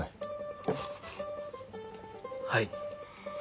はい。